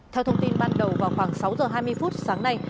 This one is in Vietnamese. theo thông tin ban đầu vào khoảng sáu giờ hai mươi phút sáng nay